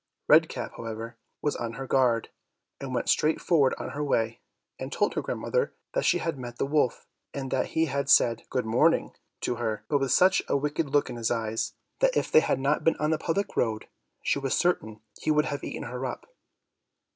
Red Cap, however, was on her guard, and went straight forward on her way, and told her grandmother that she had met the wolf, and that he had said "good morning" to her, but with such a wicked look in his eyes, that if they had not been on the public road she was certain he would have eaten her up.